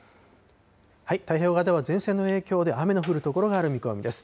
太平洋側では前線の影響で、雨の降る所がある見込みです。